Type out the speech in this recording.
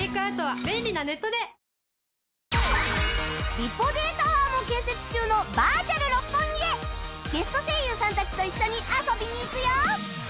リポ Ｄ タワーも建設中のバーチャル六本木へゲスト声優さんたちと一緒に遊びに行くよ！